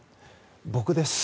僕です。